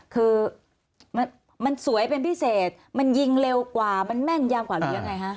คือมันสวยเป็นพิเศษมันยิงเร็วกว่ามันแม่นยาวกว่าหรือยังไงฮะ